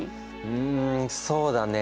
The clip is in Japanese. うんそうだね